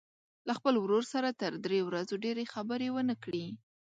له خپل ورور سره تر درې ورځو ډېرې خبرې ونه کړي.